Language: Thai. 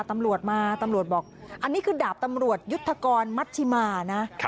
ตำรวจมาตำรวจบอกอันนี้คือดาบตำรวจยุทธกรมัชชิมานะ